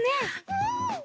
うん！